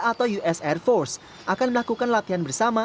atau us air force akan melakukan latihan bersama